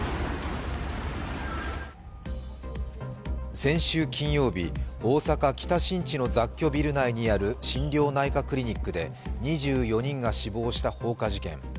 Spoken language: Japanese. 先週金曜日、大阪・北新地の雑居ビル内にある心療内科クリニックで２４人が死亡した放火事件。